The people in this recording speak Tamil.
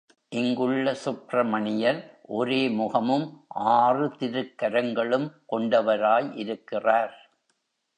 இங்குள்ள சுப்ரமணியர் ஒரே முகமும் ஆறு திருக்கரங்களும் கொண்டவராய் இருக்கிறார்.